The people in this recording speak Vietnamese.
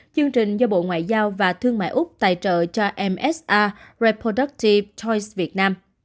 chương trình do bộ ngoại giao và thương mại úc tài trợ cho msa reproductive toys việt nam